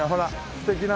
素敵な。